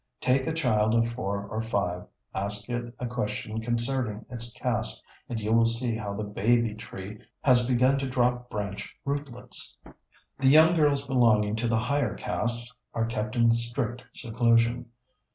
Take a child of four or five, ask it a question concerning its Caste, and you will see how that baby tree has begun to drop branch rootlets.... The young girls belonging to the higher Castes are kept in strict seclusion.